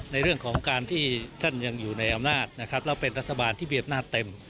ในเรื่องของการที่ท่านยังอยู่ในอำนาจเราเป็นรัฐบาลที่เปรียบหน้าเต็ม